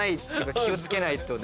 気を付けないとね。